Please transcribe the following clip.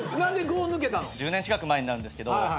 １０年近く前になるんですけど。